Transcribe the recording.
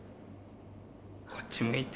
こっち向いて。